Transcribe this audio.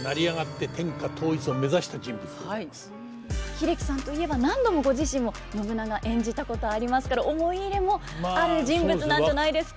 英樹さんといえば何度もご自身も信長演じたことありますから思い入れもある人物なんじゃないですか。